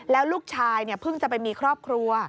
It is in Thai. แล้วลูกชายเพิ่งจะไปมีครอบครัว